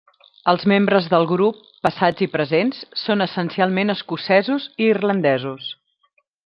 Els membres del grup, passats i presents, són essencialment escocesos i irlandesos.